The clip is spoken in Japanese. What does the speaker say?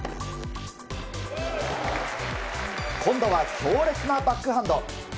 今度は強烈なバックハンド。